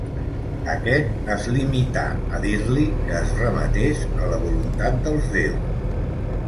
Aquest es limità a dir-li que es remetés a la voluntat dels déus